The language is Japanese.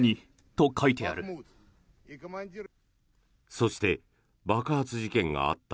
そして、爆発事件があった